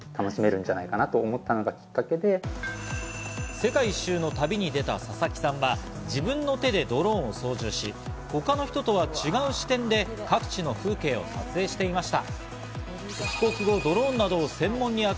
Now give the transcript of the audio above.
世界一周の旅に出た佐々木さんは自分の手でドローンを操縦し、他の人とは違う視点で各地の風景を撮影していました。